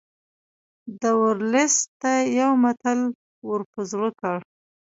ده ورلسټ ته یو متل ور په زړه کړ.